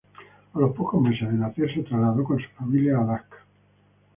A los pocos meses de nacer se trasladó con su familia a Alaska.